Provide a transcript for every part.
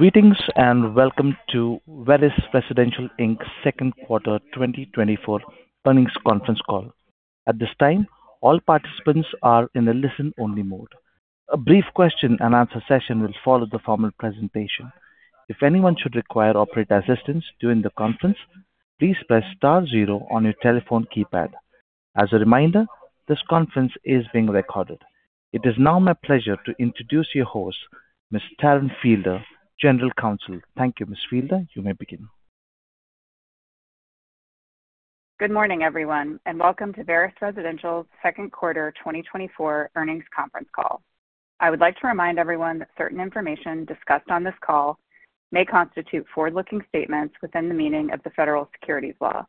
Greetings and welcome to Veris Residential Inc. Second Quarter 2024 Earnings Conference Call. At this time, all participants are in a listen-only mode. A brief question-and-answer session will follow the formal presentation. If anyone should require operator assistance during the conference, please press star zero on your telephone keypad. As a reminder, this conference is being recorded. It is now my pleasure to introduce your host, Ms. Taryn Fielder, General Counsel. Thank you, Ms. Fielder. You may begin. Good morning, everyone, and welcome to Veris Residential Second Quarter 2024 Earnings Conference Call. I would like to remind everyone that certain information discussed on this call may constitute forward-looking statements within the meaning of the federal securities law.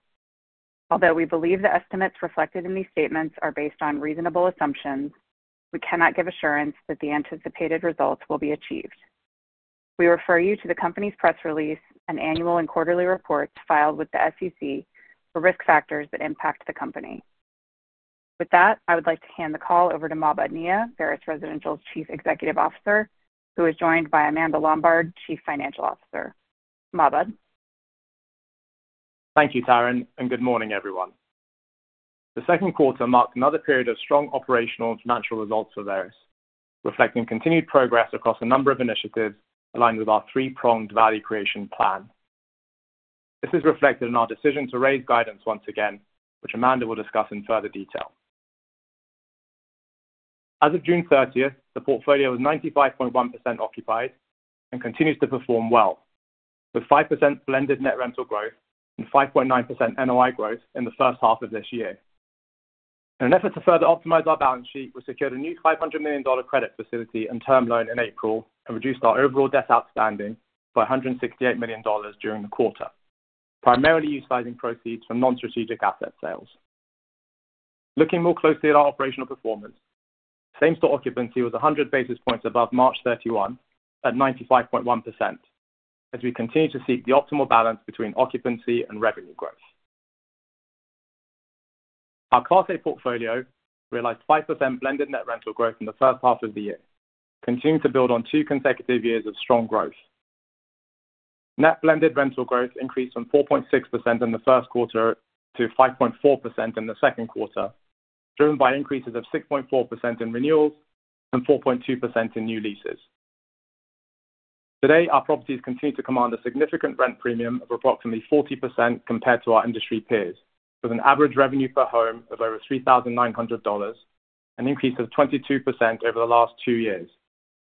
Although we believe the estimates reflected in these statements are based on reasonable assumptions, we cannot give assurance that the anticipated results will be achieved. We refer you to the company's press release and annual and quarterly reports filed with the SEC for risk factors that impact the company. With that, I would like to hand the call over to Mahbod Nia, Veris Residential's Chief Executive Officer, who is joined by Amanda Lombard, Chief Financial Officer. Mahbod. Thank you, Taryn, and good morning, everyone. The second quarter marked another period of strong operational and financial results for Veris, reflecting continued progress across a number of initiatives aligned with our three-pronged value creation plan. This is reflected in our decision to raise guidance once again, which Amanda will discuss in further detail. As of June 30, the portfolio is 95.1% occupied and continues to perform well, with 5% blended net rental growth and 5.9% NOI growth in the first half of this year. In an effort to further optimize our balance sheet, we secured a new $500 million credit facility and term loan in April and reduced our overall debt outstanding by $168 million during the quarter, primarily utilizing proceeds from non-strategic asset sales. Looking more closely at our operational performance, same-store occupancy was 100 basis points above March 31 at 95.1%, as we continue to seek the optimal balance between occupancy and revenue growth. Our Class A portfolio realized 5% blended net rental growth in the first half of the year, continuing to build on two consecutive years of strong growth. Net blended rental growth increased from 4.6% in the first quarter to 5.4% in the second quarter, driven by increases of 6.4% in renewals and 4.2% in new leases. Today, our properties continue to command a significant rent premium of approximately 40% compared to our industry peers, with an average revenue per home of over $3,900, an increase of 22% over the last two years,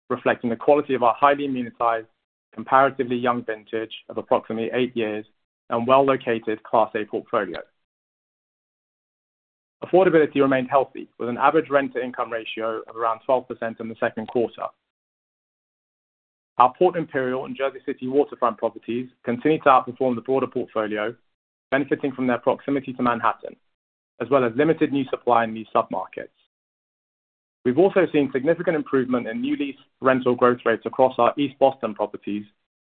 reflecting the quality of our highly amenitized, comparatively young vintage of approximately eight years and well-located Class A portfolio. Affordability remained healthy, with an average rent-to-income ratio of around 12% in the second quarter. Our Port Imperial and Jersey City waterfront properties continue to outperform the broader portfolio, benefiting from their proximity to Manhattan, as well as limited new supply in these submarkets. We've also seen significant improvement in new lease rental growth rates across our East Boston properties,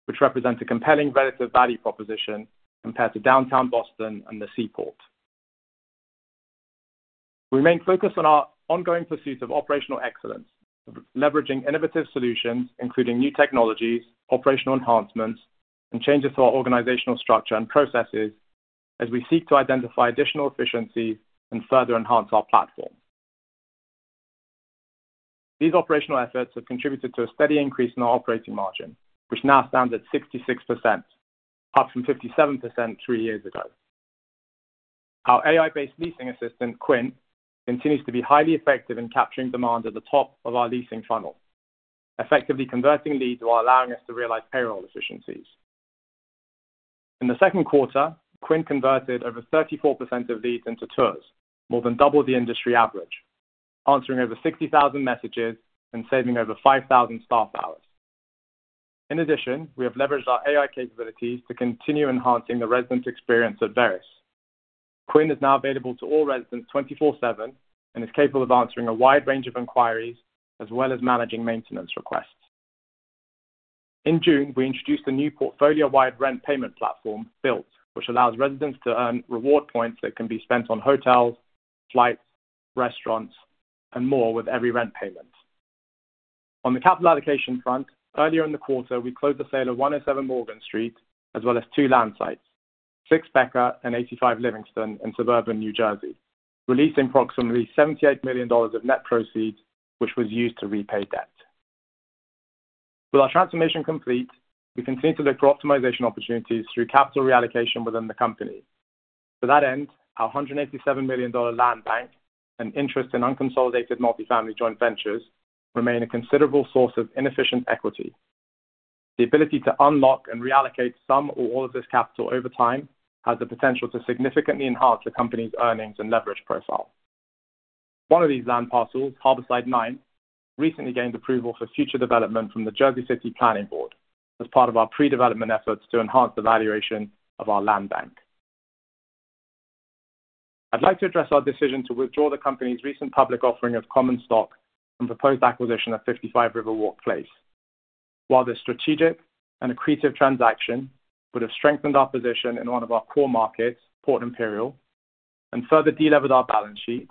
which represent a compelling relative value proposition compared to Downtown Boston and The Seaport. We remain focused on our ongoing pursuit of operational excellence, leveraging innovative solutions, including new technologies, operational enhancements, and changes to our organizational structure and processes, as we seek to identify additional efficiencies and further enhance our platform. These operational efforts have contributed to a steady increase in our operating margin, which now stands at 66%, up from 57% three years ago. Our AI-based leasing assistant, Quinn, continues to be highly effective in capturing demand at the top of our leasing funnel, effectively converting leads while allowing us to realize payroll efficiencies. In the second quarter, Quinn converted over 34% of leads into tours, more than double the industry average, answering over 60,000 messages and saving over 5,000 staff hours. In addition, we have leveraged our AI capabilities to continue enhancing the resident experience at Veris. Quinn is now available to all residents 24/7 and is capable of answering a wide range of inquiries as well as managing maintenance requests. In June, we introduced a new portfolio-wide rent payment platform, Bilt, which allows residents to earn reward points that can be spent on hotels, flights, restaurants, and more with every rent payment. On the capital allocation front, earlier in the quarter, we closed the sale of 107 Morgan Street as well as two land sites, 6 Becker Farm Road and 85 Livingston Avenue in suburban New Jersey, releasing approximately $78 million of net proceeds, which was used to repay debt. With our transformation complete, we continue to look for optimization opportunities through capital reallocation within the company. To that end, our $187 million land bank and interest in unconsolidated multifamily joint ventures remain a considerable source of inefficient equity. The ability to unlock and reallocate some or all of this capital over time has the potential to significantly enhance the company's earnings and leverage profile. One of these land parcels, Harborside 9, recently gained approval for future development from the Jersey City Planning Board as part of our pre-development efforts to enhance the valuation of our land bank. I'd like to address our decision to withdraw the company's recent public offering of common stock from proposed acquisition of 55 Riverwalk Place. While this strategic and accretive transaction would have strengthened our position in one of our core markets, Port Imperial, and further delevered our balance sheet,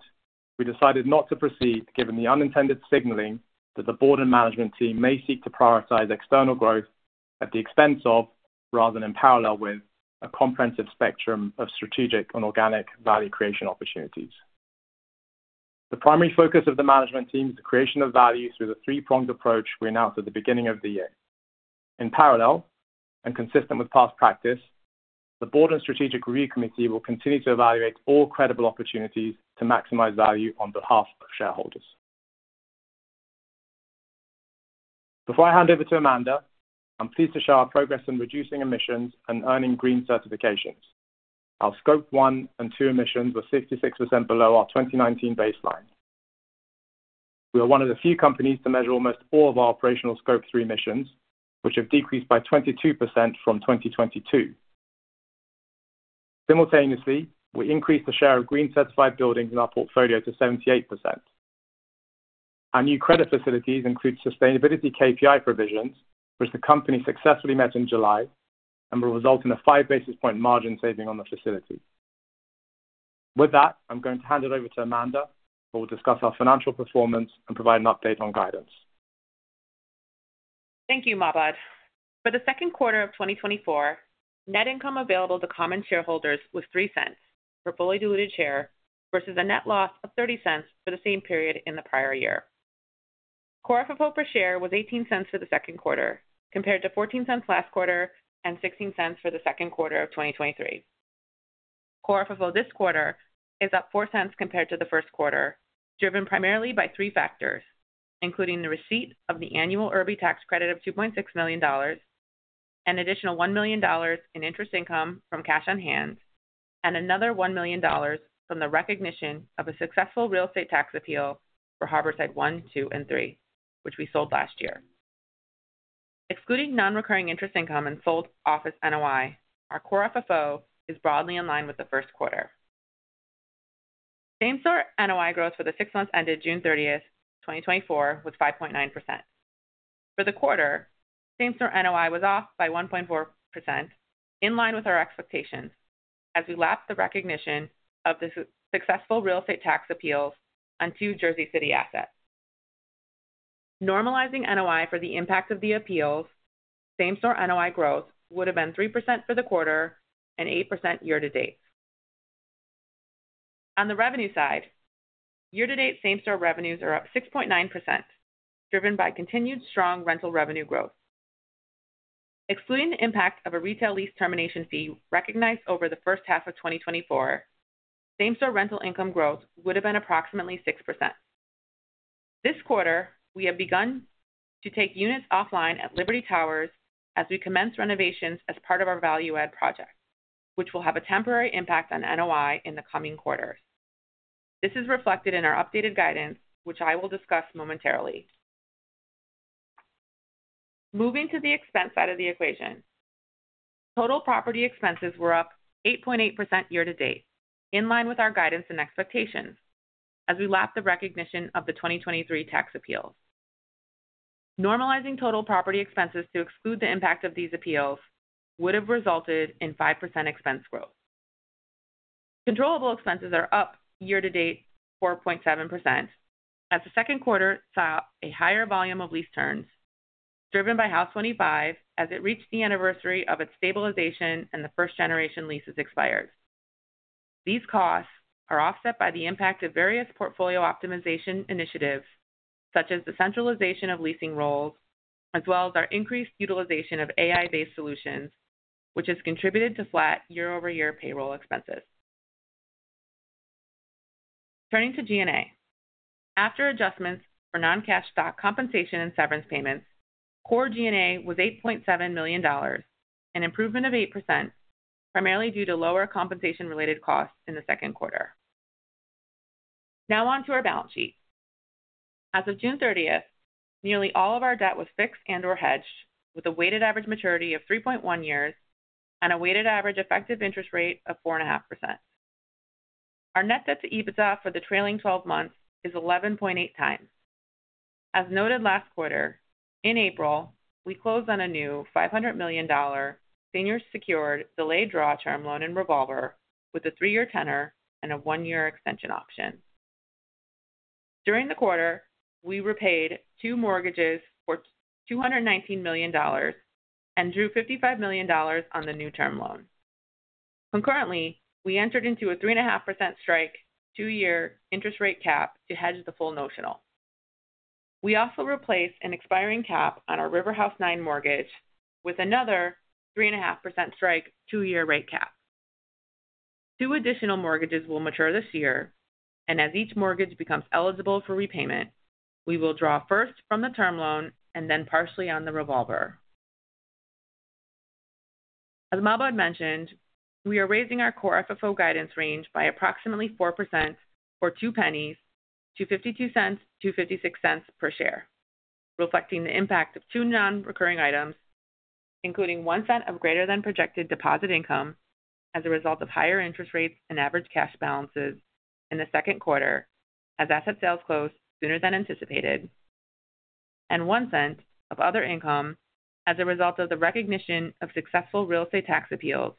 we decided not to proceed given the unintended signaling that the board and management team may seek to prioritize external growth at the expense of, rather than in parallel with, a comprehensive spectrum of strategic and organic value creation opportunities. The primary focus of the management team is the creation of value through the three-pronged approach we announced at the beginning of the year. In parallel and consistent with past practice, the board and strategic review committee will continue to evaluate all credible opportunities to maximize value on behalf of shareholders. Before I hand over to Amanda, I'm pleased to share our progress in reducing emissions and earning green certifications. Our Scope 1 and 2 emissions were 66% below our 2019 baseline. We are one of the few companies to measure almost all of our operational Scope 3 emissions, which have decreased by 22% from 2022. Simultaneously, we increased the share of green-certified buildings in our portfolio to 78%. Our new credit facilities include sustainability KPI provisions, which the company successfully met in July and will result in a five basis point margin saving on the facility. With that, I'm going to hand it over to Amanda, who will discuss our financial performance and provide an update on guidance. Thank you, Mahbod. For the second quarter of 2024, net income available to common shareholders was $0.03 for fully diluted share versus a net loss of $0.30 for the same period in the prior year. Core FFO per share was $0.18 for the second quarter, compared to $0.14 last quarter and $0.16 for the second quarter of 2023. Core FFO this quarter is up $0.04 compared to the first quarter, driven primarily by three factors, including the receipt of the annual Urby tax credit of $2.6 million, an additional $1 million in interest income from cash on hand, and another $1 million from the recognition of a successful real estate tax appeal for Harborside 1, 2, and 3, which we sold last year. Excluding non-recurring interest income and sold office NOI, our core FFO is broadly in line with the first quarter. Same-store NOI growth for the six months ended June 30, 2024, was 5.9%. For the quarter, same-store NOI was off by 1.4%, in line with our expectations, as we lapped the recognition of the successful real estate tax appeals on two Jersey City assets. Normalizing NOI for the impact of the appeals, same-store NOI growth would have been 3% for the quarter and 8% year-to-date. On the revenue side, year-to-date same-store revenues are up 6.9%, driven by continued strong rental revenue growth. Excluding the impact of a retail lease termination fee recognized over the first half of 2024, same-store rental income growth would have been approximately 6%. This quarter, we have begun to take units offline at Liberty Towers as we commence renovations as part of our value-add project, which will have a temporary impact on NOI in the coming quarters. This is reflected in our updated guidance, which I will discuss momentarily. Moving to the expense side of the equation, total property expenses were up 8.8% year-to-date, in line with our guidance and expectations, as we lapped the recognition of the 2023 tax appeals. Normalizing total property expenses to exclude the impact of these appeals would have resulted in 5% expense growth. Controllable expenses are up year-to-date 4.7%, as the second quarter saw a higher volume of lease turns, driven by House 25 as it reached the anniversary of its stabilization and the first-generation leases expires. These costs are offset by the impact of various portfolio optimization initiatives, such as the centralization of leasing roles, as well as our increased utilization of AI-based solutions, which has contributed to flat year-over-year payroll expenses. Turning to G&A. After adjustments for non-cash stock compensation and severance payments, core G&A was $8.7 million, an improvement of 8%, primarily due to lower compensation-related costs in the second quarter. Now on to our balance sheet. As of June 30, nearly all of our debt was fixed and/or hedged, with a weighted average maturity of 3.1 years and a weighted average effective interest rate of 4.5%. Our net debt to EBITDA for the trailing 12 months is 11.8 times. As noted last quarter, in April, we closed on a new $500 million senior-secured delayed draw term loan and revolver with a 3-year tenor and a 1-year extension option. During the quarter, we repaid 2 mortgages for $219 million and drew $55 million on the new term loan. Concurrently, we entered into a 3.5% strike 2-year interest rate cap to hedge the full notional. We also replaced an expiring cap on our RiverHouse 9 mortgage with another 3.5% strike two-year rate cap. 2 additional mortgages will mature this year, and as each mortgage becomes eligible for repayment, we will draw first from the term loan and then partially on the revolver. As Mahbod mentioned, we are raising our Core FFO guidance range by approximately 4% or two pennies to $0.52-$0.56 per share, reflecting the impact of two non-recurring items, including one cent of greater-than-projected deposit income as a result of higher interest rates and average cash balances in the second quarter, as asset sales closed sooner than anticipated, and one cent of other income as a result of the recognition of successful real estate tax appeals,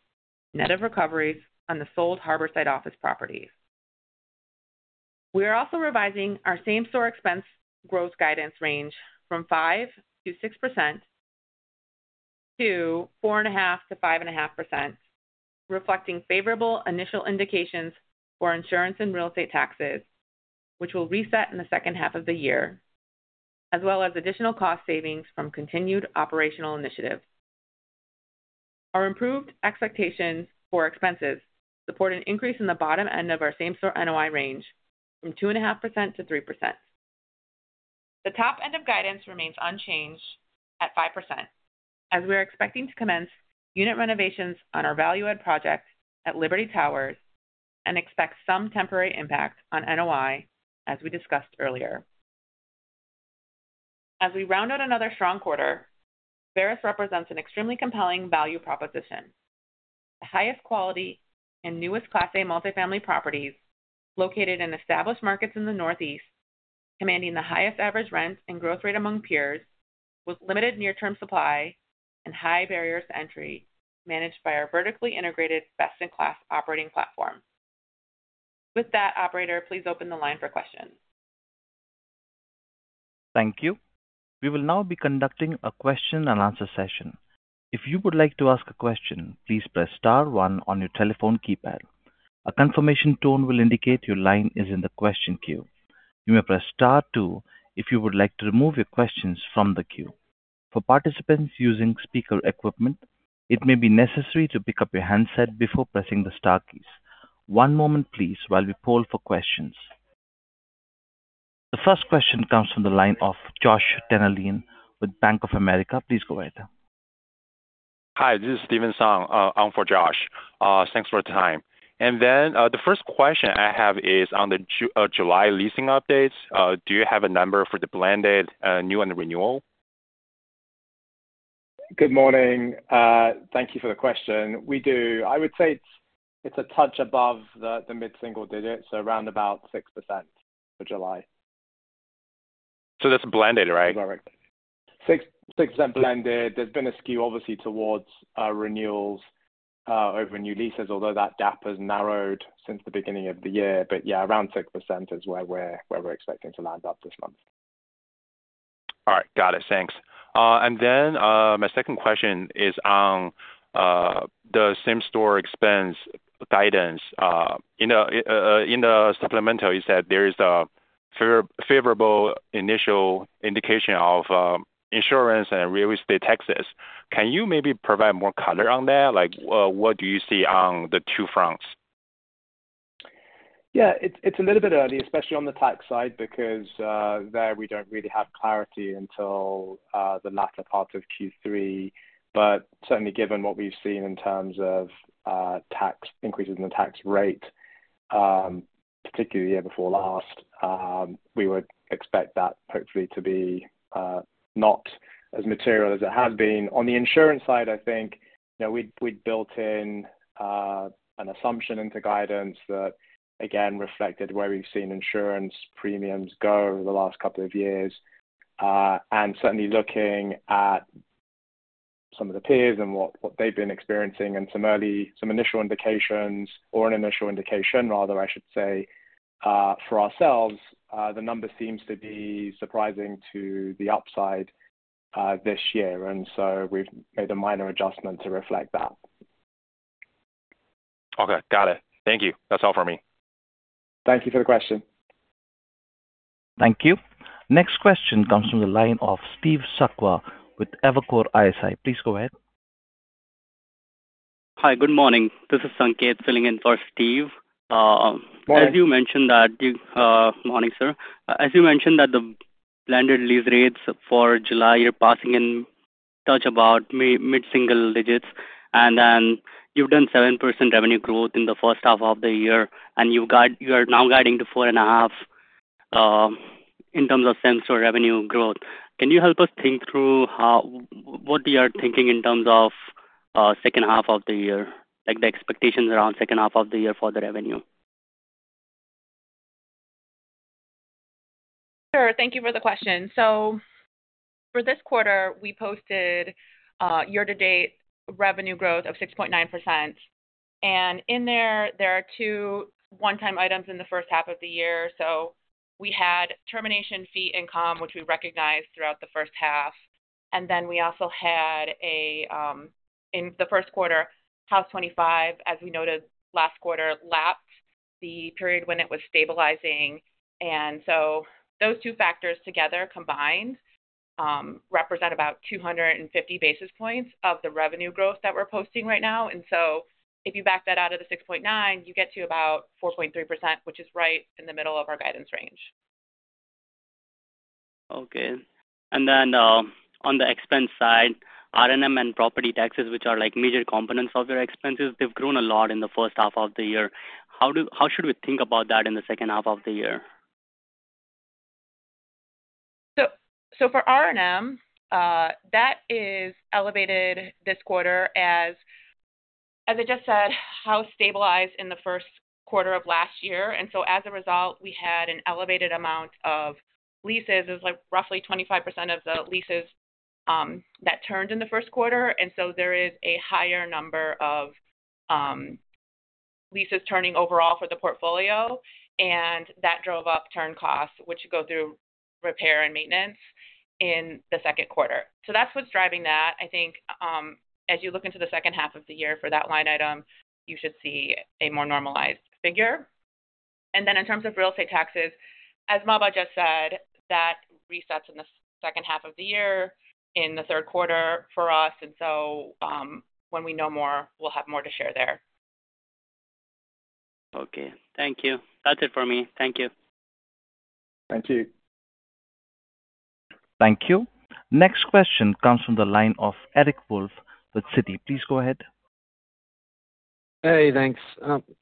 net of recoveries on the sold Harborside office properties. We are also revising our same-store expense growth guidance range from 5%-6% to 4.5%-5.5%, reflecting favorable initial indications for insurance and real estate taxes, which will reset in the second half of the year, as well as additional cost savings from continued operational initiatives. Our improved expectations for expenses support an increase in the bottom end of our same-store NOI range from 2.5%-3%. The top end of guidance remains unchanged at 5%, as we are expecting to commence unit renovations on our value-add project at Liberty Towers and expect some temporary impact on NOI, as we discussed earlier. As we round out another strong quarter, Veris represents an extremely compelling value proposition. The highest quality and newest Class A multifamily properties located in established markets in the Northeast, commanding the highest average rent and growth rate among peers, with limited near-term supply and high barriers to entry, managed by our vertically integrated best-in-class operating platform. With that, Operator, please open the line for questions. Thank you. We will now be conducting a question-and-answer session. If you would like to ask a question, please press Star 1 on your telephone keypad. A confirmation tone will indicate your line is in the question queue. You may press Star 2 if you would like to remove your questions from the queue. For participants using speaker equipment, it may be necessary to pick up your handset before pressing the Star keys. One moment, please, while we poll for questions. The first question comes from the line of Josh Dennerlein with Bank of America. Please go ahead. Hi, this is Stephen Song for Josh. Thanks for the time. The first question I have is on the July leasing updates. Do you have a number for the blended, new, and the renewal? Good morning. Thank you for the question. We do. I would say it's a touch above the mid-single digits, so around about 6% for July. So that's blended, right? Correct. 6% blended. There's been a skew, obviously, towards renewals over new leases, although that gap has narrowed since the beginning of the year. But yeah, around 6% is where we're expecting to land up this month. All right. Got it. Thanks. And then my second question is on the same-store expense guidance. In the supplemental, you said there is a favorable initial indication of insurance and real estate taxes. Can you maybe provide more color on that? What do you see on the two fronts? Yeah, it's a little bit early, especially on the tax side, because there we don't really have clarity until the latter part of Q3. But certainly, given what we've seen in terms of tax increases in the tax rate, particularly the year before last, we would expect that hopefully to be not as material as it has been. On the insurance side, I think we'd built in an assumption into guidance that, again, reflected where we've seen insurance premiums go over the last couple of years. And certainly looking at some of the peers and what they've been experiencing and some initial indications, or an initial indication, rather, I should say, for ourselves, the number seems to be surprising to the upside this year. And so we've made a minor adjustment to reflect that. Okay. Got it. Thank you. That's all for me. Thank you for the question. Thank you. Next question comes from the line of Steve Sakwa with Evercore ISI. Please go ahead. Hi, good morning. This is Sanket filling in for Steve. As you mentioned that the blended lease rates for July you're passing into about mid-single digits, and then you've done 7% revenue growth in the first half of the year, and you are now guiding to 4.5% in terms of same-store revenue growth. Can you help us think through what you are thinking in terms of second half of the year, like the expectations around second half of the year for the revenue? Sure. Thank you for the question. So for this quarter, we posted year-to-date revenue growth of 6.9%. And in there, there are two one-time items in the first half of the year. So we had termination fee income, which we recognized throughout the first half. And then we also had, in the first quarter, House 25, as we noted last quarter, lapped the period when it was stabilizing. And so those two factors together combined represent about 250 basis points of the revenue growth that we're posting right now. And so if you back that out of the 6.9, you get to about 4.3%, which is right in the middle of our guidance range. Okay. On the expense side, R&M and property taxes, which are major components of your expenses, they've grown a lot in the first half of the year. How should we think about that in the second half of the year? So for R&M, that is elevated this quarter as, as I just said, house stabilized in the first quarter of last year. And so as a result, we had an elevated amount of leases. It was roughly 25% of the leases that turned in the first quarter. And so there is a higher number of leases turning overall for the portfolio. And that drove up turn costs, which go through repair and maintenance in the second quarter. So that's what's driving that. I think as you look into the second half of the year for that line item, you should see a more normalized figure. And then in terms of real estate taxes, as Mahbod just said, that resets in the second half of the year in the third quarter for us. And so when we know more, we'll have more to share there. Okay. Thank you. That's it for me. Thank you. Thank you. Thank you. Next question comes from the line of Eric Wolfe with Citi. Please go ahead. Hey, thanks.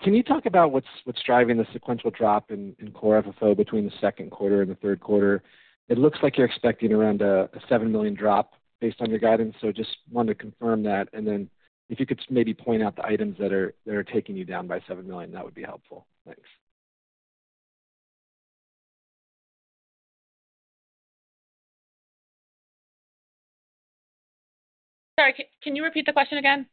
Can you talk about what's driving the sequential drop in Core FFO between the second quarter and the third quarter? It looks like you're expecting around a $7 million drop based on your guidance. So just wanted to confirm that. And then if you could maybe point out the items that are taking you down by $7 million, that would be helpful. Thanks. Sorry, can you repeat the question again?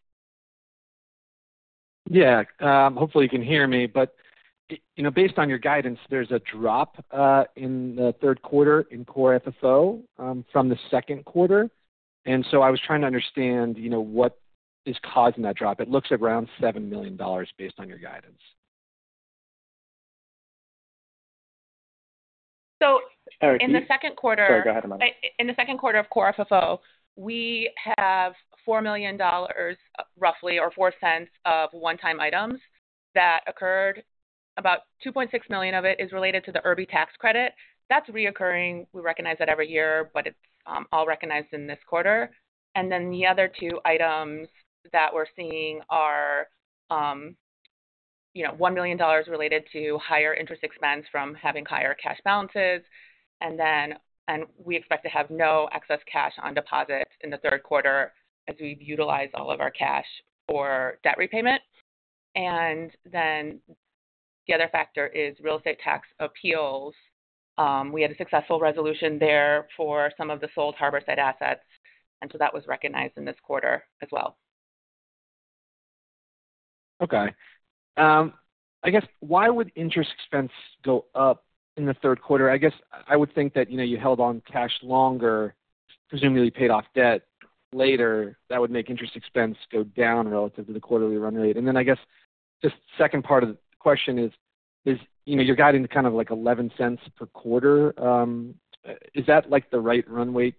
Yeah. Hopefully, you can hear me. But based on your guidance, there's a drop in the third quarter in Core FFO from the second quarter. And so I was trying to understand what is causing that drop. It looks around $7 million based on your guidance. In the second quarter. Sorry, go ahead, Mahbod. In the second quarter of Core FFO, we have $4 million, roughly, or $0.04 of one-time items that occurred. About $2.6 million of it is related to the Urby tax credit. That's recurring. We recognize that every year, but it's all recognized in this quarter. And then the other two items that we're seeing are $1 million related to higher interest expense from having higher cash balances. And then we expect to have no excess cash on deposit in the third quarter as we've utilized all of our cash for debt repayment. And then the other factor is real estate tax appeals. We had a successful resolution there for some of the sold Harborside assets. And so that was recognized in this quarter as well. Okay. I guess, why would interest expense go up in the third quarter? I guess I would think that you held on cash longer, presumably paid off debt later. That would make interest expense go down relative to the quarterly run rate. And then I guess the second part of the question is, you're guiding to kind of like $0.11 per quarter. Is that the right run rate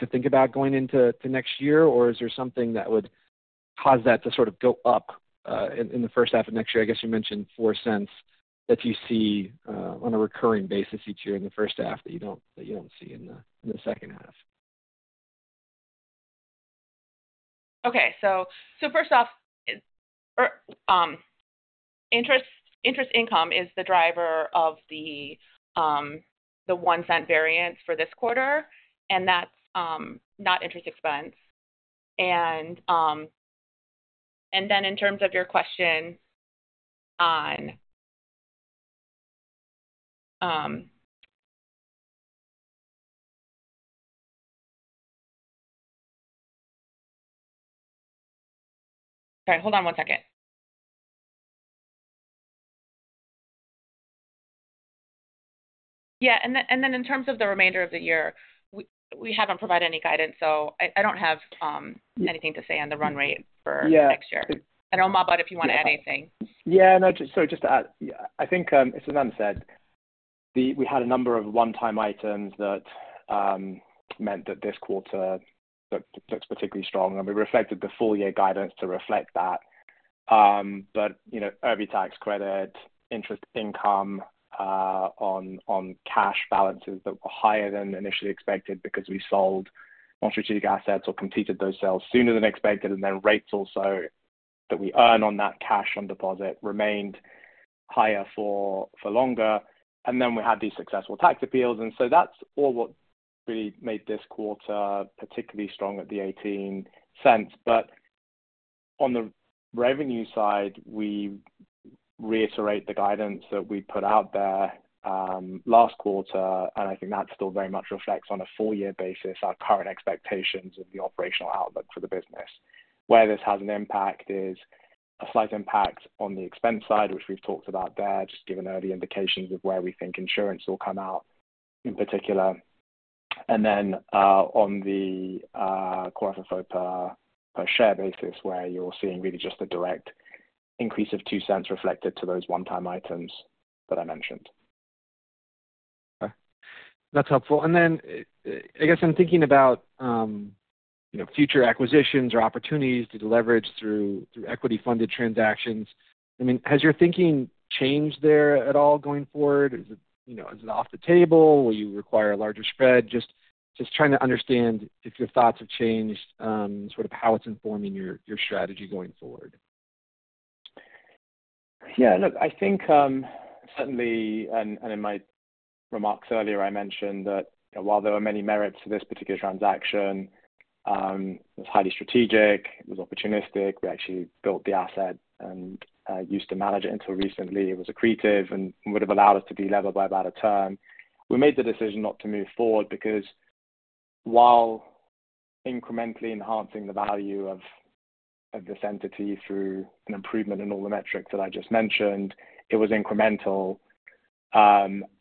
to think about going into next year? Or is there something that would cause that to sort of go up in the first half of next year? I guess you mentioned $0.04 that you see on a recurring basis each year in the first half that you don't see in the second half. Okay. So first off, interest income is the driver of the $0.01 variance for this quarter. And that's not interest expense. Okay, hold on one second. Yeah. And then in terms of the remainder of the year, we haven't provided any guidance. So I don't have anything to say on the run rate for next year. I know, Mahbod, if you want to add anything. Yeah. No, sorry, just to add, I think, as Sam said, we had a number of one-time items that meant that this quarter looks particularly strong. We reflected the full-year guidance to reflect that. But Urby tax credit, interest income on cash balances that were higher than initially expected because we sold non-strategic assets or completed those sales sooner than expected. And then rates also that we earn on that cash on deposit remained higher for longer. And then we had these successful tax appeals. And so that's all what really made this quarter particularly strong at the $0.18. But on the revenue side, we reiterate the guidance that we put out there last quarter. And I think that still very much reflects on a full-year basis our current expectations of the operational outlook for the business. Where this has an impact is a slight impact on the expense side, which we've talked about there, just given early indications of where we think insurance will come out in particular. And then on the Core FFO per share basis, where you're seeing really just a direct increase of $0.02 reflected to those one-time items that I mentioned. Okay. That's helpful. And then I guess I'm thinking about future acquisitions or opportunities to leverage through equity-funded transactions. I mean, has your thinking changed there at all going forward? Is it off the table? Will you require a larger spread? Just trying to understand if your thoughts have changed sort of how it's informing your strategy going forward. Yeah. Look, I think certainly, and in my remarks earlier, I mentioned that while there were many merits to this particular transaction, it was highly strategic. It was opportunistic. We actually built the asset and used to manage it until recently. It was accretive and would have allowed us to be level by about a term. We made the decision not to move forward because while incrementally enhancing the value of this entity through an improvement in all the metrics that I just mentioned, it was incremental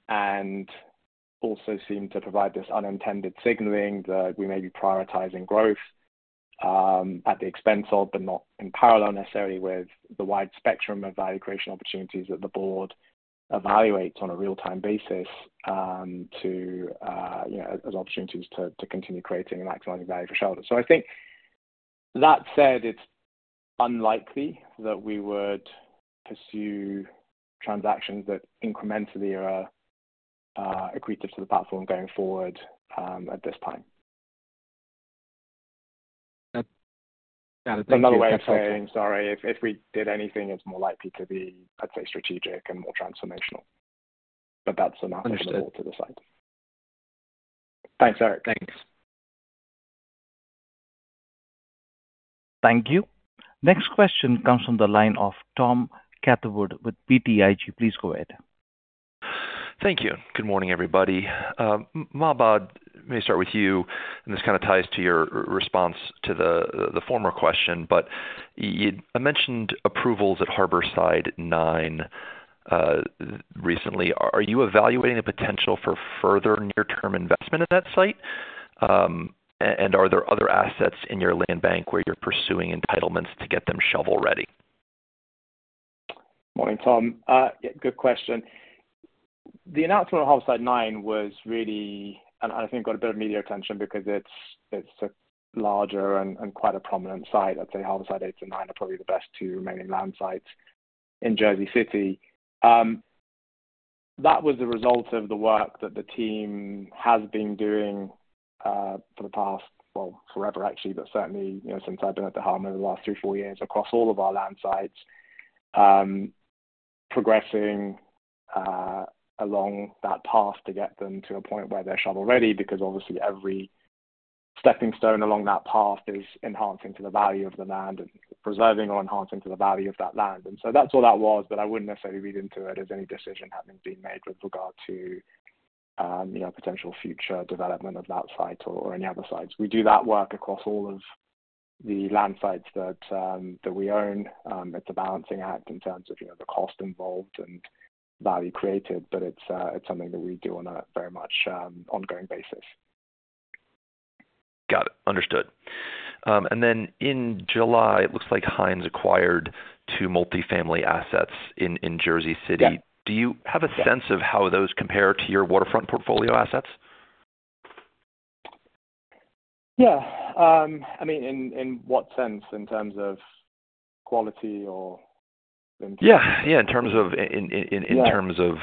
and also seemed to provide this unintended signaling that we may be prioritizing growth at the expense of, but not in parallel necessarily with the wide spectrum of value creation opportunities that the board evaluates on a real-time basis as opportunities to continue creating and maximizing value for shareholders. I think that said, it's unlikely that we would pursue transactions that incrementally are accretive to the platform going forward at this time. Got it. Thank you. Another way of saying, sorry, if we did anything, it's more likely to be, I'd say, strategic and more transformational. But that's another bullet to the side. Thanks, Eric. Thanks. Thank you. Next question comes from the line of Tom Catherwood with BTIG. Please go ahead. Thank you. Good morning, everybody. Mahbod, may I start with you? And this kind of ties to your response to the former question. But I mentioned approvals at Harborside 9 recently. Are you evaluating the potential for further near-term investment in that site? And are there other assets in your land bank where you're pursuing entitlements to get them shovel ready? Morning, Tom. Good question. The announcement of Harborside 9 was really, and I think got a bit of media attention because it's a larger and quite a prominent site. I'd say Harborside 8 and 9 are probably the best two remaining land sites in Jersey City. That was the result of the work that the team has been doing for the past, well, forever actually, but certainly since I've been at the hub over the last three or four years across all of our land sites, progressing along that path to get them to a point where they're shovel ready because obviously every stepping stone along that path is enhancing to the value of the land and preserving or enhancing to the value of that land. And so that's all that was, but I wouldn't necessarily read into it as any decision having been made with regard to potential future development of that site or any other sites. We do that work across all of the land sites that we own. It's a balancing act in terms of the cost involved and value created, but it's something that we do on a very much ongoing basis. Got it. Understood. And then in July, it looks like Hines acquired two multifamily assets in Jersey City. Do you have a sense of how those compare to your waterfront portfolio assets? Yeah. I mean, in what sense? In terms of quality or— Yeah. Yeah. In terms of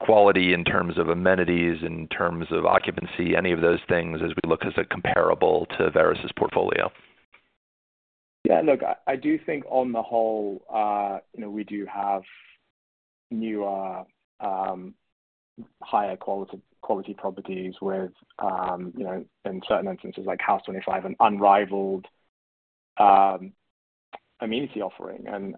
quality. In terms of amenities. In terms of occupancy. Any of those things as we look at a comparable to Veris's portfolio. Yeah. Look, I do think on the whole, we do have newer higher quality properties with, in certain instances like House 25, an unrivaled amenity offering. And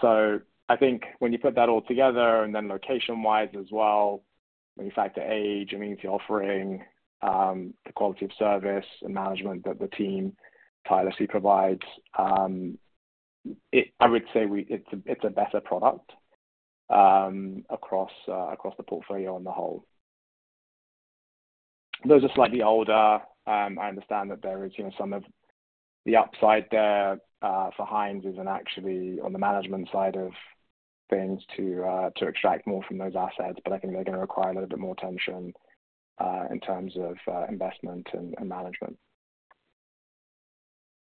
so I think when you put that all together and then location-wise as well, when you factor age, amenity offering, the quality of service and management that the team tirelessly provides, I would say it's a better product across the portfolio on the whole. Those are slightly older. I understand that there is some of the upside there for Hines isn't actually on the management side of things to extract more from those assets. But I think they're going to require a little bit more attention in terms of investment and management.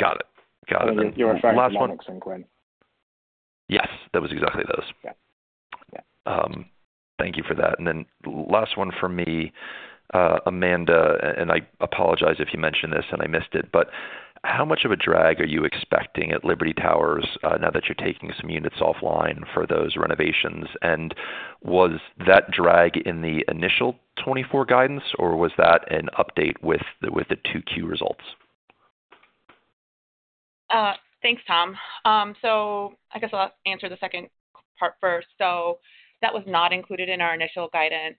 Got it. Got it. And last one. You're referring to the Hines and Quinn? Yes. That was exactly those. Yeah. Thank you for that. And then last one for me, Amanda. And I apologize if you mentioned this and I missed it. But how much of a drag are you expecting at Liberty Towers now that you're taking some units offline for those renovations? And was that drag in the initial 2024 guidance, or was that an update with the 2Q results? Thanks, Tom. So I guess I'll answer the second part first. So that was not included in our initial guidance.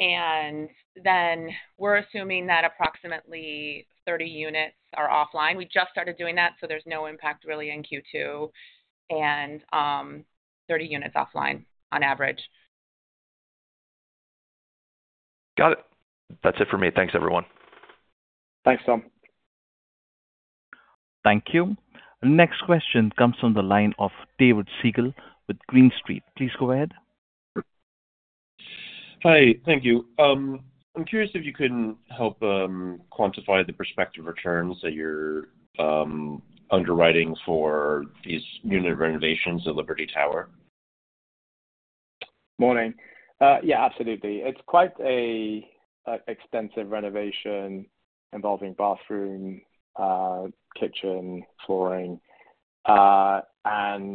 And then we're assuming that approximately 30 units are offline. We just started doing that, so there's no impact really in Q2. And 30 units offline on average. Got it. That's it for me. Thanks, everyone. Thanks, Tom. Thank you. Next question comes from the line of David Segall with Green Street. Please go ahead. Hi. Thank you. I'm curious if you can help quantify the prospective returns that you're underwriting for these unit renovations at Liberty Towers? Morning. Yeah, absolutely. It's quite an extensive renovation involving bathroom, kitchen, flooring. The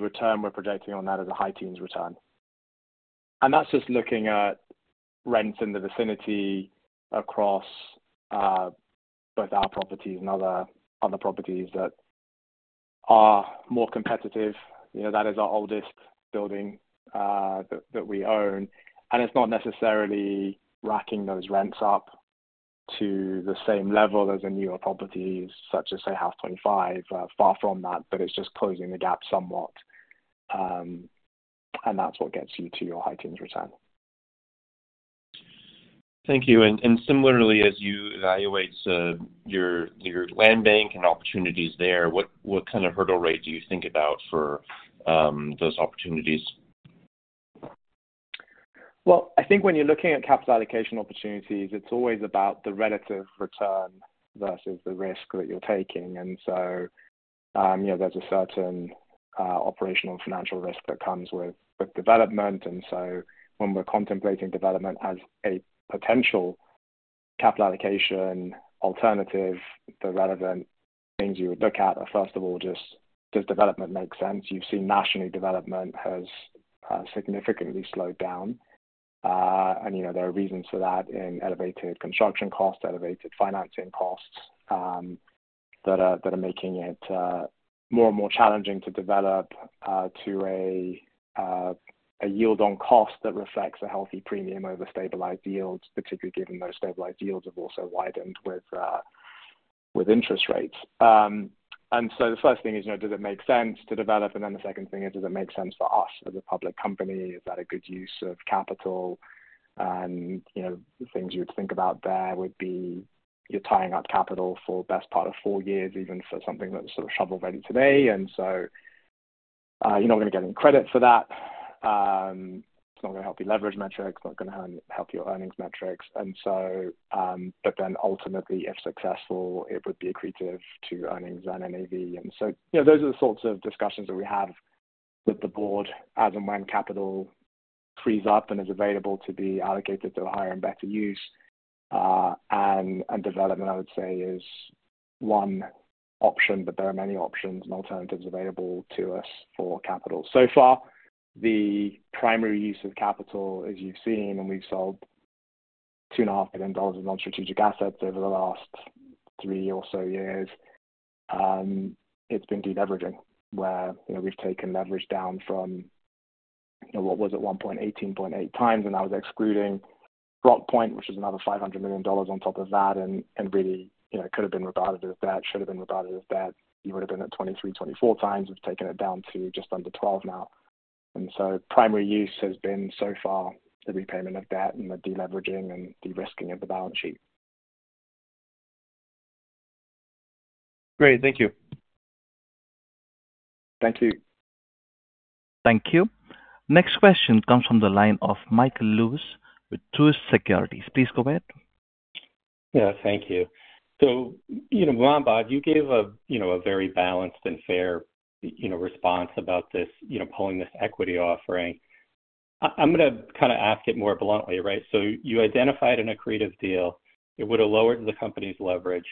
return we're projecting on that is a high-teens return. That's just looking at rents in the vicinity across both our properties and other properties that are more competitive. That is our oldest building that we own. It's not necessarily racking those rents up to the same level as a newer property such as, say, House 25. Far from that, but it's just closing the gap somewhat. That's what gets you to your high-teens return. Thank you. Similarly, as you evaluate your land bank and opportunities there, what kind of hurdle rate do you think about for those opportunities? Well, I think when you're looking at capital allocation opportunities, it's always about the relative return versus the risk that you're taking. And so there's a certain operational financial risk that comes with development. And so when we're contemplating development as a potential capital allocation alternative, the relevant things you would look at are, first of all, does development make sense? You've seen nationally, development has significantly slowed down. And there are reasons for that in elevated construction costs, elevated financing costs that are making it more and more challenging to develop to a yield on cost that reflects a healthy premium over stabilized yields, particularly given those stabilized yields have also widened with interest rates. And so the first thing is, does it make sense to develop? And then the second thing is, does it make sense for us as a public company? Is that a good use of capital? Things you would think about there would be you're tying up capital for the best part of 4 years, even for something that's sort of shovel ready today. So you're not going to get any credit for that. It's not going to help you leverage metrics. It's not going to help your earnings metrics. But then ultimately, if successful, it would be accretive to earnings and NAV. Those are the sorts of discussions that we have with the board as and when capital frees up and is available to be allocated to a higher and better use. Development, I would say, is one option, but there are many options and alternatives available to us for capital. So far, the primary use of capital is you've seen, and we've sold $2.5 billion of non-strategic assets over the last three or so years. It's been deleveraging where we've taken leverage down from what was at one point 18.8 times. And that was excluding Rockpoint, which was another $500 million on top of that. And really, it could have been rebounded as debt. Should have been rebounded as debt. You would have been at 23-24 times. We've taken it down to just under 12 now. And so primary use has been so far the repayment of debt and the deleveraging and de-risking of the balance sheet. Great. Thank you. Thank you. Thank you. Next question comes from the line of Michael Lewis with Truist Securities. Please go ahead. Yeah. Thank you. So Mahbod, you gave a very balanced and fair response about pulling this equity offering. I'm going to kind of ask it more bluntly, right? So you identified an accretive deal. It would have lowered the company's leverage.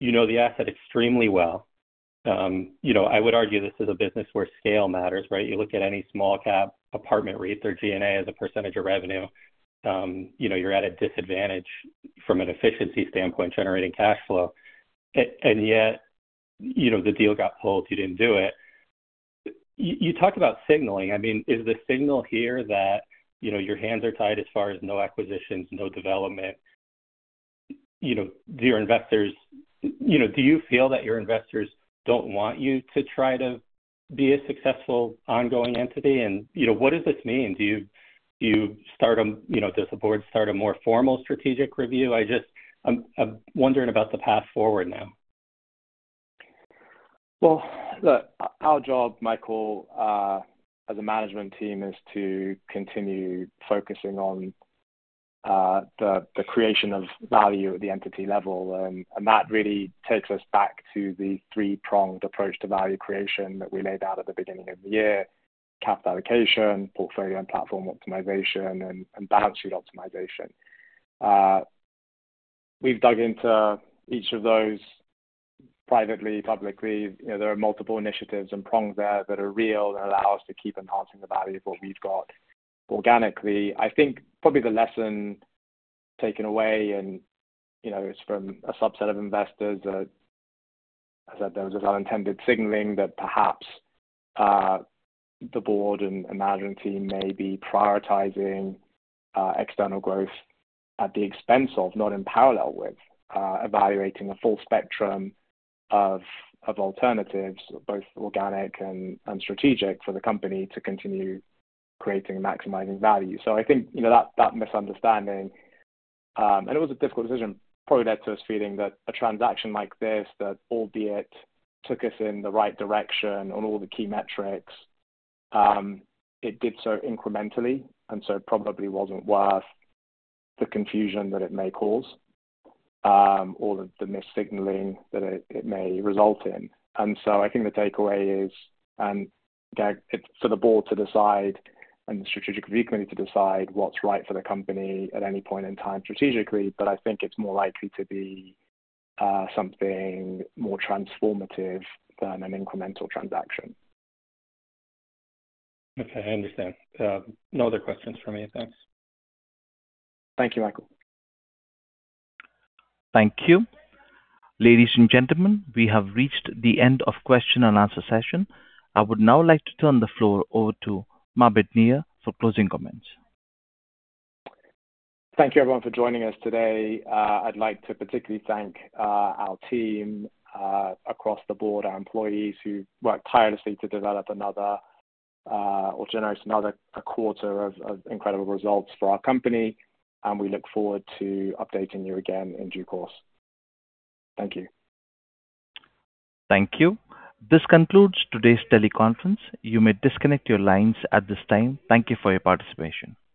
You know the asset extremely well. I would argue this is a business where scale matters, right? You look at any small-cap apartment REIT, their G&A is a percentage of revenue. You're at a disadvantage from an efficiency standpoint generating cash flow. And yet the deal got pulled. You didn't do it. You talked about signaling. I mean, is the signal here that your hands are tied as far as no acquisitions, no development? Do you feel that your investors don't want you to try to be a successful ongoing entity? And what does this mean? Do you start a, does the board start a more formal strategic review? I'm wondering about the path forward now. Well, our job, Michael, as a management team, is to continue focusing on the creation of value at the entity level. And that really takes us back to the three-pronged approach to value creation that we laid out at the beginning of the year: capital allocation, portfolio, and platform optimization, and balance sheet optimization. We've dug into each of those privately, publicly. There are multiple initiatives and prongs there that are real and allow us to keep enhancing the value of what we've got organically. I think probably the lesson taken away, and it's from a subset of investors that, as I said, there was an unintended signaling that perhaps the board and management team may be prioritizing external growth at the expense of, not in parallel with, evaluating a full spectrum of alternatives, both organic and strategic, for the company to continue creating and maximizing value. So I think that misunderstanding, and it was a difficult decision, probably led to us feeling that a transaction like this, that albeit took us in the right direction on all the key metrics, it did so incrementally and so probably wasn't worth the confusion that it may cause, all of the mis-signaling that it may result in. And so I think the takeaway is for the board to decide and the strategic review committee to decide what's right for the company at any point in time strategically. But I think it's more likely to be something more transformative than an incremental transaction. Okay. I understand. No other questions for me. Thanks. Thank you, Michael. Thank you. Ladies and gentlemen, we have reached the end of the question and answer session. I would now like to turn the floor over to Mahbod Nia for closing comments. Thank you, everyone, for joining us today. I'd like to particularly thank our team across the board, our employees who worked tirelessly to develop another or generate another quarter of incredible results for our company. We look forward to updating you again in due course. Thank you. Thank you. This concludes today's teleconference. You may disconnect your lines at this time. Thank you for your participation.